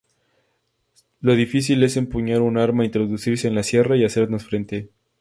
Lo difícil es empuñar un arma, introducirse en la sierra y hacernos frente".